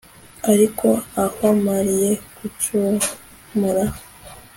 Ariko ahw amariye gucumura